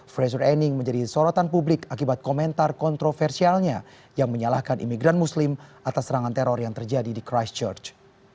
fraser anning menjadi sorotan publik akibat komentar kontroversialnya yang menyalahkan imigran muslim atas serangan teror yang terjadi di christchurch